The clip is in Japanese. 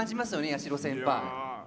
八代先輩。